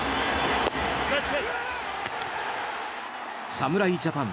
侍ジャパン